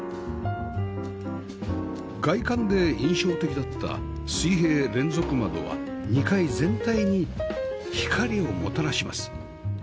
外観で印象的だった水平連続窓は２階全体に光をもたらします